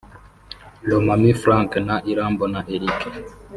Lomami Frank na Irambona Eric